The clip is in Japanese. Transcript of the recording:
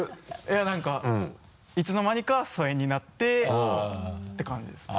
何かいつの間にか疎遠になってて感じですね。